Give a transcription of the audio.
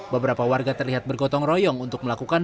beberapa warga terlihat bergotong royong untuk melakukan